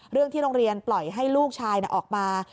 เรื่องที่โรงเรียนปล่อยให้ลูกชายออกมา